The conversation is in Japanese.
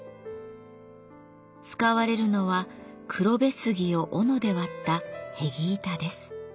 使われるのは黒部杉を斧で割ったへぎ板です。